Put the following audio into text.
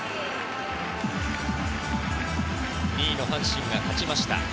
２位の阪神が勝ちました。